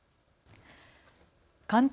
関東